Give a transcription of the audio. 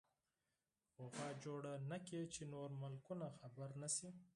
غوغا جوړه نکې چې نور ملکونه خبر نشي.